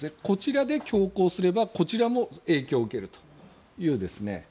こちらで強行すればこちらも影響を受けるという。